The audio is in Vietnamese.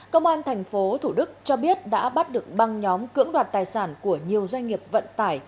công an thành phố thủ đức cho biết đã bắt được băng nhóm cưỡng đoạt tài sản của nhiều doanh nghiệp vận tải